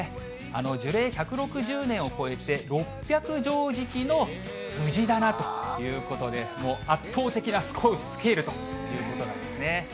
樹齢１６０年を超えて、６００畳敷きの藤棚ということで、もう圧倒的なスケールということなんですね。